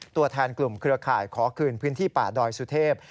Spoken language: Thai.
ตัวแทนกลุ่มเครือข่ายขอคืนพื้นที่ป่าดอยสุเทพ